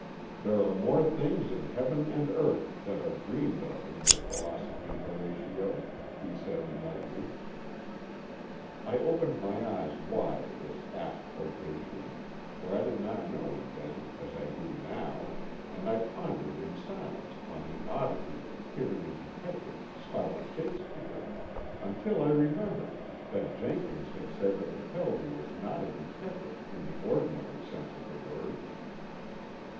'There are more things in heaven and earth than are dreamed of in your philosophy, Horatio,'" he said lightly. I opened my eyes wide at this apt quotation for I did not know him then as I do now and I pondered in silence upon the oddity of hearing a detective spout Shakespeare, until I remembered that Jenkins had said that McKelvie was not a detective in the ordinary sense of the word.